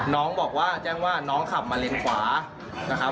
น้องบอกว่าแจ้งว่าน้องขับมาเลนขวานะครับ